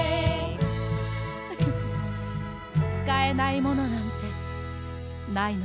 フフッつかえないものなんてないのよ。